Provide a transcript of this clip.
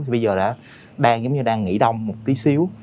bây giờ đã đang giống như đang nghỉ đông một tí xíu